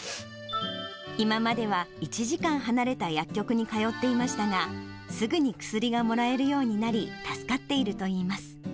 今までは１時間離れた薬局に通っていましたが、すぐに薬がもらえるようになり、助かっているといいます。